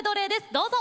どうぞ。